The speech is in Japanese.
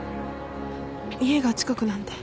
家が近くなんで